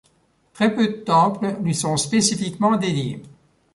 Très peu de temples lui sont spécifiquement dédiés.